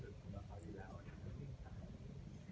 ถ้าผมไม่ต้องอยู่กับเขาเขาจะบอกก่อน